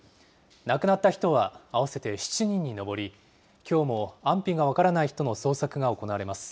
亡くなった人は合わせて７人に上り、きょうも安否が分からない人の捜索が行われます。